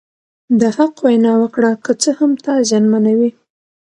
د حق وینا وکړه که څه هم تا زیانمنوي.